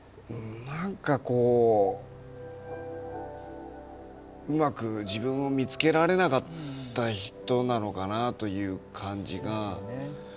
何かこううまく自分を見つけられなかった人なのかなという感じが。